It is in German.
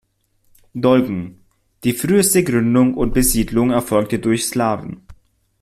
Dolgen: Die früheste Gründung und Besiedlung erfolgte durch Slawen.